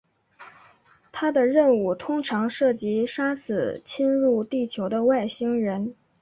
他的任务通常涉及杀死侵入地球的外星人。